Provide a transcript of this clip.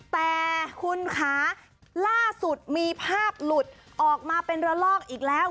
แต่คุณคะล่าสุดมีภาพหลุดออกมาเป็นระลอกอีกแล้ว